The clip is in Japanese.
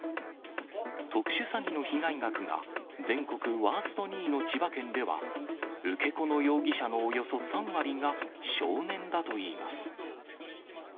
特殊詐欺の被害額が全国ワースト２位の千葉県では、受け子の容疑者のおよそ３割が少年だといいます。